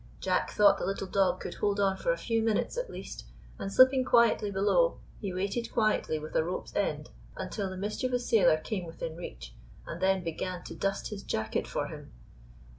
Jack thought the little dog could hold on for a few minutes, at least, and, slipping quietly below, he waited quietly with a rope's end until the mischievous sailor came within reach, and then began to dust his jacket for him.